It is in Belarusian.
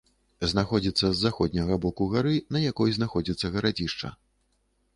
Знаходзіцца з заходняга боку гары, на якой знаходзіцца гарадзішча.